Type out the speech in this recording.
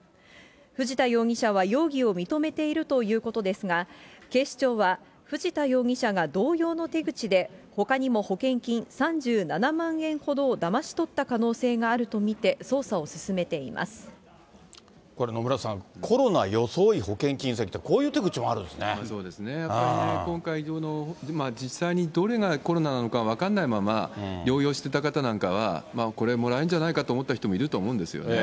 藤田容疑者は容疑を認めているということですが、警視庁は、藤田容疑者が同様の手口で、ほかにも保険金３７万円ほどをだまし取った可能性があると見て、これ、野村さん、コロナ装い保険金詐欺って、そうですね、やっぱりね、今回、実際にどれがコロナなのか、分かんないまま療養してた方なんかは、これ、もらえるんじゃないかと思った方、いると思うんですよね。